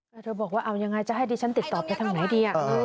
แต่เธอบอกว่าเอายังไงจะให้ดิฉันติดต่อไปทางไหนดี